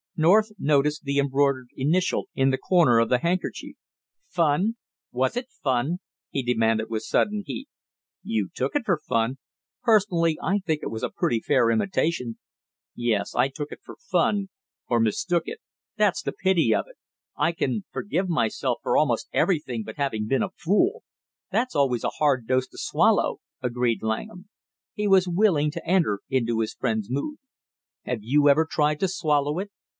North noticed the embroidered initial in the corner of the handkerchief. "Fun! Was it fun?" he demanded with sudden heat. "You took it for fun. Personally I think it was a pretty fair imitation." "Yes, I took it for fun, or mistook it; that's the pity of it! I can forgive myself for almost everything but having been a fool!" "That's always a hard dose to swallow," agreed Langham. He was willing to enter into his friend's mood. "Have you ever tried to swallow it?"